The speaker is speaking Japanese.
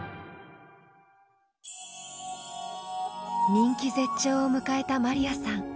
人気絶頂を迎えたまりやさん。